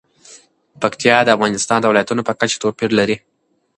پکتیا د افغانستان د ولایاتو په کچه توپیر لري.